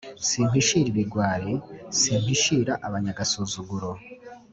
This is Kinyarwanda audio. Simpishira ibigwari, simpishira abanyagasuzuguro,